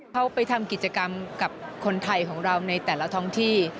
เขาไปทำกิจกรรมกับคนไทยของเราในแต่ละท้องที่